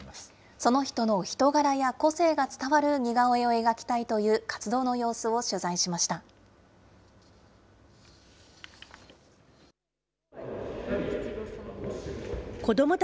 その人の人柄や個性が伝わる似顔絵を描きたいという活動の様子を取材しました。